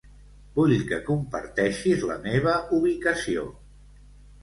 Vull que comparteixis la meva ubicació.